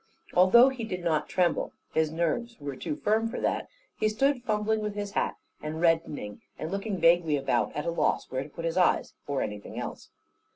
Although he did not tremble his nerves were too firm for that he stood fumbling with his hat, and reddening, and looking vaguely about, at a loss where to put his eyes or anything else.